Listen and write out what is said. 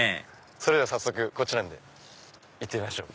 それでは早速こっちなんで行ってみましょう。